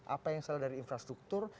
apa yang salah dari infrastruktur